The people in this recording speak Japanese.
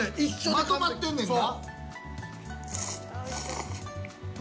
まとまってんねんな。